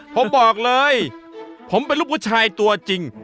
ผมบอกเลยผมเป็นลูกผู้ชายตัวจริง